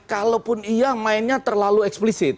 kalaupun iya mainnya terlalu eksplisit